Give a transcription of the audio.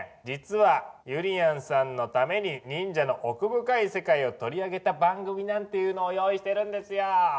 実はゆりやんさんのために忍者の奥深い世界を取り上げた番組なんていうのを用意してるんですよ。